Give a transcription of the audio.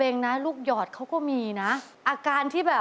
เอาตัวนี้จับบ้านดีกว่า